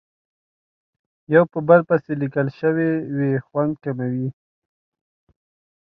یو په بل پسې لیکل شوې وي خوند کموي.